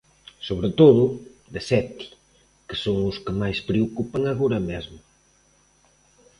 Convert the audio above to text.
Sobre todo, de sete, que son os que máis preocupan agora mesmo.